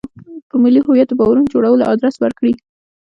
په ملي هویت د باورونو جوړولو ادرس ورکړي.